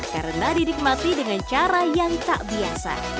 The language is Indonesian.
karena didikmati dengan cara yang tak biasa